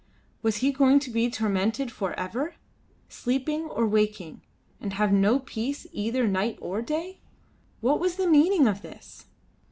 Was he going to be tormented for ever, sleeping or waking, and have no peace either night or day? What was the meaning of this?